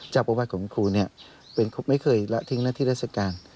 จากประวัติของครูไม่เคยละทิ้งหน้าที่ราชการ